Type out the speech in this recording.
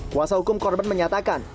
kuasa hukum korban menyatakan